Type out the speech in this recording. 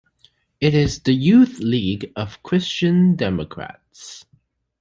It is the youth league of Christian Democrats.